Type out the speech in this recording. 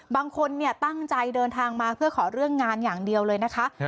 บางคนตั้งใจเดินทางมาเพื่อขอเรื่องงานอย่างเดียวเลยนะคะ